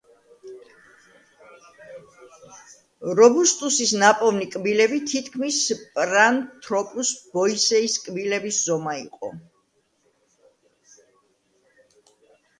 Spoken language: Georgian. რობუსტუსის ნაპოვნი კბილები თითქმის პარანთროპუს ბოისეის კბილების ზომის იყო.